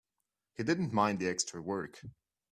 He didn't mind the extra work.